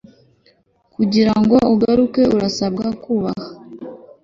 Kugirango ugaruke urasabwa kubaha